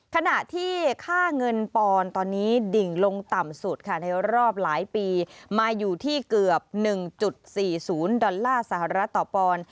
ขณะที่ค่าเงินปอนด์ตอนนี้ดิ่งลงต่ำสุดค่ะในรอบหลายปีมาอยู่ที่เกือบ๑๔๐ดอลลาร์สหรัฐต่อปอนด์